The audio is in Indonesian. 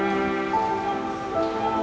salah satu sinar